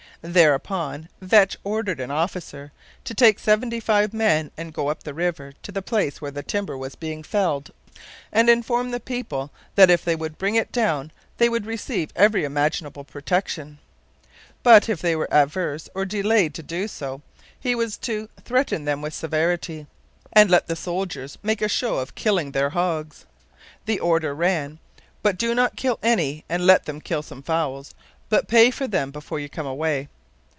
Thereupon Vetch ordered an officer to take seventy five men and go up the river to the place where the timber was being felled and 'inform the people that if they would bring it down they would receive every imaginable protection,' but if they were averse or delayed to do so he was to 'threaten them with severity.' 'And let the soldiers make a show of killing their hogs,' the order ran, 'but do not kill any, and let them kill some fowls, but pay for them before you come away.'